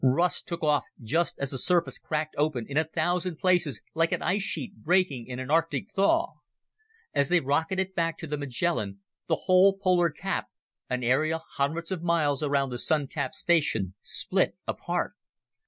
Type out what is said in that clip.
Russ took off just as the surface cracked open in a thousand places like an ice sheet breaking in an Arctic thaw. As they rocketed back to the Magellan, the whole polar cap, an area hundreds of miles around the Sun tap station, split apart.